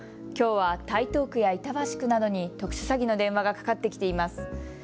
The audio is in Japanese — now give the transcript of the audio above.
きょうは台東区や板橋区などに特殊詐欺の電話がかかってきています。